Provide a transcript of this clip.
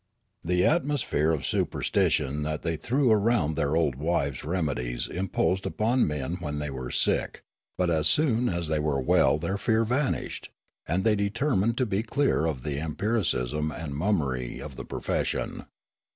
The atmosphere of superstition that they 138 Riallaro threw round their old wives' remedies imposed upon men when they were sick ; but as soon as they were well their fear vanished, and they determined to be clear of the empiricism and mummery of the profession.